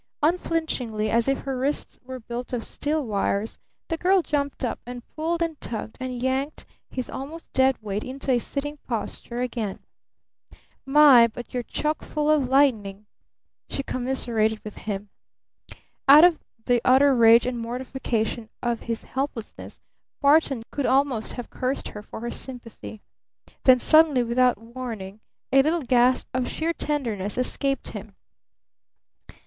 Unflinchingly, as if her wrists were built of steel wires, the girl jumped up and pulled and tugged and yanked his almost dead weight into a sitting posture again. "My! But you're chock full of lightning!" she commiserated with him. Out of the utter rage and mortification of his helplessness Barton could almost have cursed her for her sympathy. Then suddenly, without warning, a little gasp of sheer tenderness escaped him.